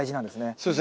そうですね